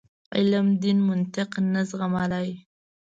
علم دین منطق نه زغملای.